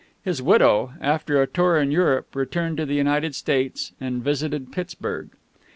His widow, after a tour in Europe, returned to the United States and visited Pittsburg.